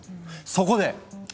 そこで！